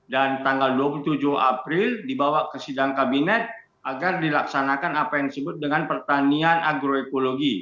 dan tanggal dua puluh tujuh april dibawa ke sidang kabinet agar dilaksanakan apa yang disebut dengan pertanian agroekologi